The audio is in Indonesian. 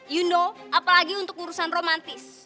you know apalagi untuk urusan romantis